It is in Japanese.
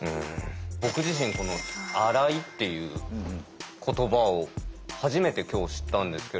僕自身この「アライ」っていう言葉を初めて今日知ったんですけれども。